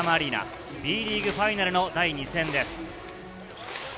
Ｂリーグファイナルの第２戦。